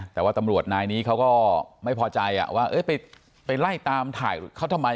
แต่ว่าตำรวจนายนี้เขาก็ไม่พอใจว่าไปไล่ตามถ่ายเขาทำไม